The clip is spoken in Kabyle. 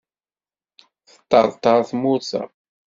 Teṭṭerṭer tmurt-a.